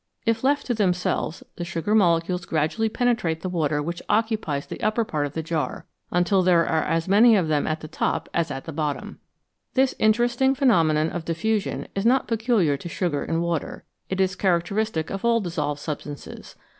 If left to themselves, the sugar molecules gradually penetrate the water which occupies the upper part of the jar, until there are as many of them at the top as at the bottom. This inter esting phenomenon of diffusion is not peculiar to sugar in water ; it is characteristic of all dissolved substances.